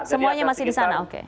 semuanya masih di sana